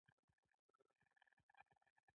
زردالو د تودوخې نښه ده.